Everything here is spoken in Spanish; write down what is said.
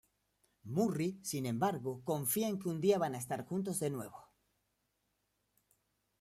Morrie, sin embargo, confía en que un día van a estar juntos de nuevo.